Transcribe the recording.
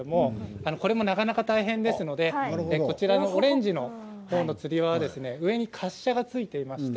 これも、なかなか大変ですのでオレンジのほうのつり輪は上に滑車がついています。